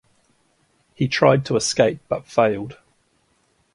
He tried to escape but failed.